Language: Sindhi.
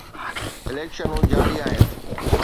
اليڪشنون جاري آهن.